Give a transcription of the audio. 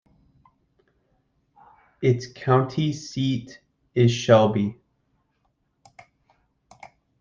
Its county seat is Shelby.